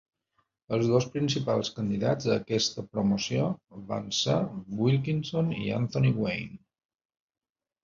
Els dos principals candidats a aquesta promoció van ser Wilkinson i Anthony Wayne.